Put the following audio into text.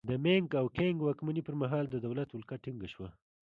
د مینګ او کینګ واکمنۍ پرمهال د دولت ولکه ټینګه شوه.